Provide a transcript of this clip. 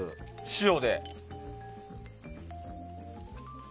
塩で。